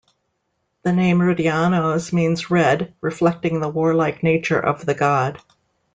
The name "Rudianos" means red, reflecting the warlike nature of the god.